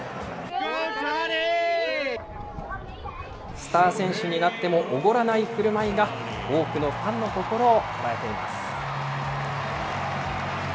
スター選手になってもおごらないふるまいが、多くのファンの心を捉えています。